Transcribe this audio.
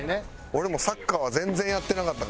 俺もサッカーは全然やってなかったから。